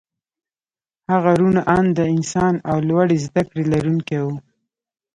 هغه روڼ انده انسان او لوړې زدکړې لرونکی و